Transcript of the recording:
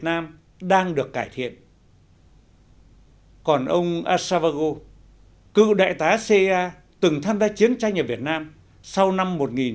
nam đang được cải thiện còn ông atshavagu cựu đại tá cia từng tham gia chiến tranh ở việt nam sau năm